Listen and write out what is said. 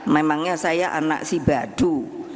memangnya saya anak si badu